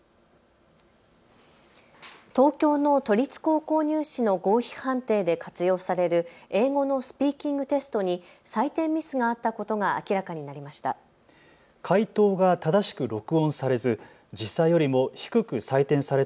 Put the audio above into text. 東京の都立高校入試の合否判定で活用される英語のスピーキングテストに採点ミスがあったことが明らかになりました。